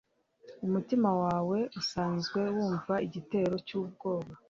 umutima wawe usanzwe wumva igitero cyubwoba